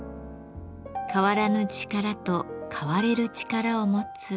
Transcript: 変わらぬ力と変われる力を持つ。